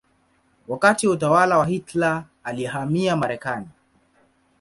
Wakati wa utawala wa Hitler alihamia Marekani.